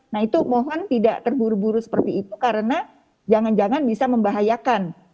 nah itu mohon tidak terburu buru seperti itu karena jangan jangan bisa membahayakan